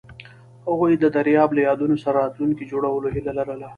هغوی د دریاب له یادونو سره راتلونکی جوړولو هیله لرله.